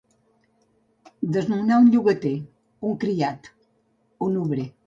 Desnonar un llogater, un criat, un obrer.